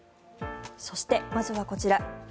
そして、まずはこちら。